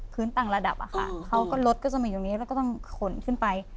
ต่างระดับอะค่ะเขาก็รถก็จะมีตรงนี้แล้วก็ต้องขนขึ้นไป